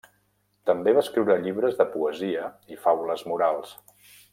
També va escriure llibres de poesia i faules morals.